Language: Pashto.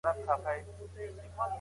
هغه وويل چي کالي مينځل مهم دي.